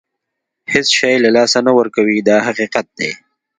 هېڅ شی له لاسه نه ورکوي دا حقیقت دی.